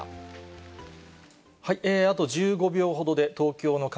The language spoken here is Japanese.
あと１５秒ほどで、東京の感